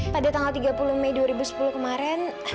pada tanggal tiga puluh mei dua ribu sepuluh kemarin